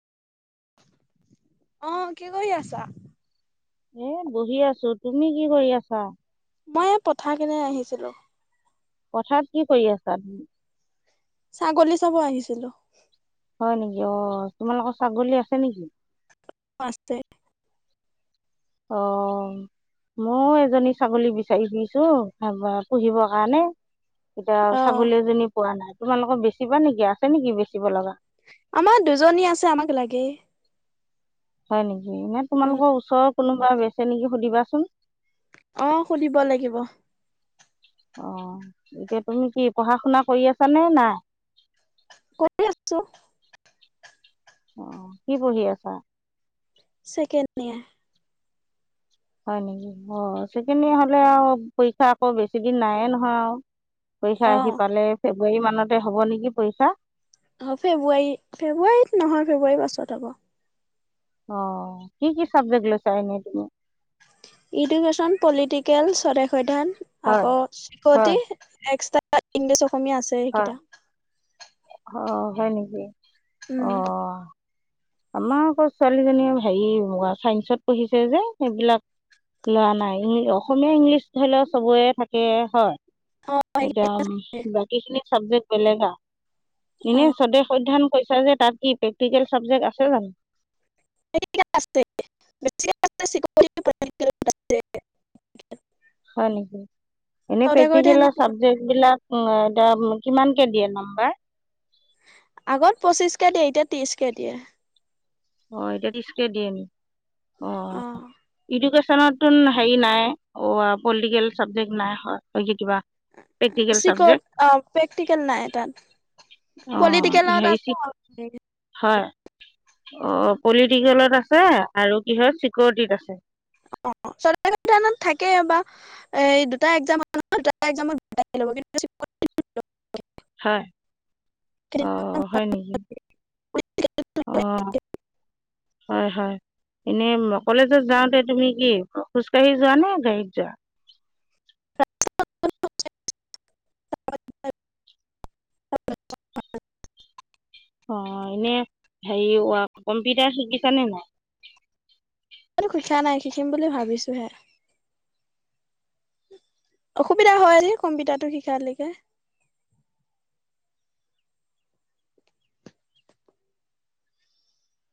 অ কি কৰি আছা? এ বহি আছোঁ তুমি কি কৰি আছা,? মই এই পথাৰ কেনে আহিছিলোঁ। পথাৰত কি কৰি আছা তুমি? ছাগলী চাব আহিছিলোঁ। হয় নেকি অ তোমালোকৰ ছাগলী আছে নেকি? আছে। অ। ময়ো এজনী ছাগলী বিচাৰি ফুৰিছোঁ পুহিবৰ কাৰণে। অ এতিয়া ছাগলীএজনী পোৱা নাই তোমালোকৰ বেচিবা নেকি আছে নেকি বেচিব লগা? আমাৰ দুজনী আছে আমাক লাগে। হয় নেকি নে তোমালোকৰ ওচৰৰ কোনোবা বেচে নেকি সুধিবাচোন? অ সুধিব লাগিব। অ এতিয়া তুমি কি পঢ়া শুনা কৰি আছানে নাই। কৰি আছোঁ। অ কি পঢ়ি আছা। চেকেণ্ড নিয়াৰ। হয় নেকি অ চেকেনিয়াৰ হ'লে আৰু পৰীক্ষা আকৌ বেছি দিন নাই এ নহয় আৰু পৰীক্ষা আহি অ পালে ফেব্ৰুৱাৰী মানতে হ'ব নেকি পৰীক্ষা। অ ফেব্ৰুৱাৰী ফেব্ৰুৱাৰীত নহয় ফেব্ৰুৱাৰী পাছত হ'ব। অ কি কি চাবজেক্ট লৈছা এনে তুমি? ইডুকেশ্যন পলিটিকেল স্বদেশ অধ্যান। হয় আকৌ হয় শিকতি এক্সা ইংলিছ অসমীয়া আছে সেইকিটা। অ হয় নেকি অ? উম আমাৰ আকৌ ছোৱালীজনীয়ে হেৰি চাইন্সত পঢ়িছে যে সেইবিলাক। ল'ৰা নাইয়ে অসমীয়া ইংলিছ ধৰি লও চবৰে থাকে হয়? অ এতিয়া বাকী খিনি চাবজেক্ট বেলেগ আৰু অ এনে স্বদেশ অধ্যান। থৈছা যে কি প্ৰে্টিকেল চাবজেক্ট আছে জানোঁ। [unintelligible] হয় নেকি এনেই স্বদেশ পেটিকেল অধ্যয়ন চাবজেক্ট বিলাক- উ এতিয়া কিমানকে দিয়ে নাম্বাৰ? আগত পচিশকে দিয়ে এতিয়া ত্ৰিশকে দিয়ে। অ এতিয়াত তিৰিচ কে দিয়ে নি অ ইদোকেচন হেৰি নাই পলিটিকেল চাবজেক্ট নাই কিবা, প্ৰেক্টিকেল চিক চাবজেক্ট অ প্ৰেক্টিকেল নাই তাত। অ' পলিটিকেলত হেৰি আ- হয় অ পলিটিকেলত আছে আৰু কি হয় চিকৰটিত আছে। [unintelligible] থাকে বা এই দুটা একজামত দুটা একজামত দুটা। [unintelligible] হয় আহ হয় নেকি? অ হয় হয়। এনেই কলেজত যাওঁতে তুমি কি খোজ কাঢ়ি যোৱা নে গাড়ীত যোৱা [unintelligible] [inaudible] অ এনে হেৰি কম্পিউটাৰ শিকিছা নে নাই? শিকা নাই শিকিম বুলি ভাবিছোহে। অসুবিধা হয় দ কম্পিউটাৰটো শিকা লেকে